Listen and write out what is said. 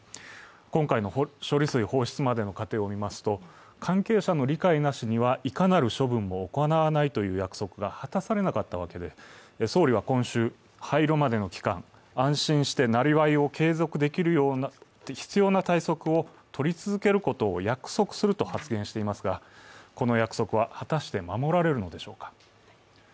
今回の処理水放出までの過程を見ますと関係者に理解なしには、いかなる処分も行わないという約束が果たされなかったわけで、総理は今週、廃炉までの期間、安心してなりわいを継続できるような必要な対策をとり続けることを約束すると発言していますが、この約束は果たして守られるのでしょうか。